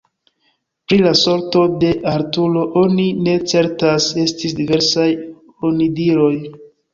Pri la sorto de Arturo oni ne certas: estis diversaj onidiroj.